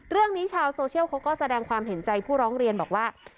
เรื่องนี้ชาวโซเชียลเขาก็แสดงความเห็นใจผู้ร้องเรียนบอกว่า